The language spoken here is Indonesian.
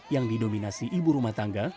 yang didominasi ibu rumah tangga